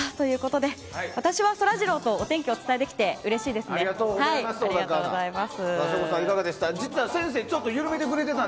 私はそらジローとお天気をお伝えできてありがとうございます。